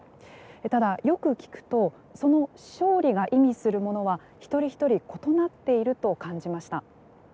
ただよく聞くとその勝利が意味するものは一人一人異なっていると感じました。